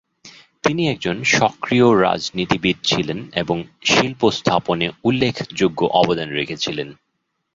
তিনি একজন সক্রিয় রাজনীতিবিদ ছিলেন এবং শিল্পস্থাপনে উল্লেখযোগ্য অবদান রেখেছিলেন ।